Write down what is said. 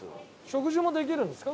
食事もできるんですか？